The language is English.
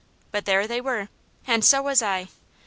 But there they were! And so was I!